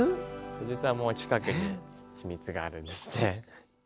実はもう近くに秘密があるんですね。